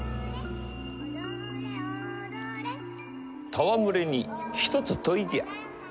戯れに一つ問いじゃ。